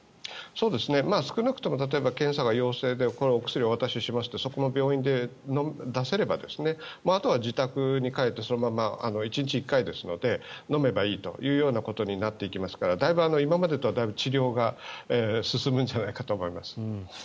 少なくとも例えば検査が陽性でお薬をお渡ししますとそこの病院で出せればあとは自宅に帰って、そのまま１日１回ですので飲めばいいということになっていきますからだいぶ今までとは治療が進むんじゃないかと思います。